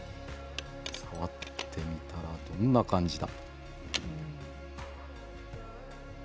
触ってみたらどんな感じだ？